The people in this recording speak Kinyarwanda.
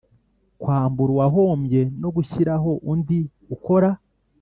kwambura uwahombye no gushyiraho undi ukora